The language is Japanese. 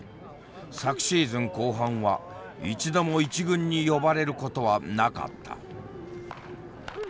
昨シーズン後半は一度も一軍に呼ばれることはなかった。